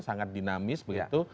sangat dinamis begitu